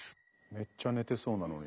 めっちゃ寝てそうなのに。